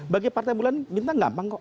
bagi partai bulan bintang gampang kok